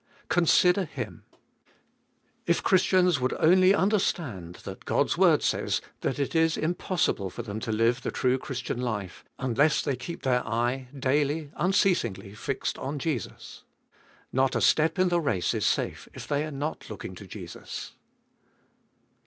7. Consider Him. // Christians would only understand that God's word says, that it is im possible for them to Hue the true Christian life unless they keep their eye daily, unceasingly fixed on Jesus. Not a step in the race is safe if they are not hotting to Jesus.